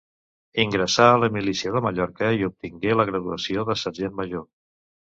Ingressà a la milícia de Mallorca i obtingué la graduació de sergent major.